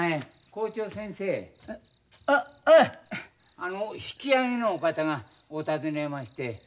あの引き揚げのお方がお訪ねまして。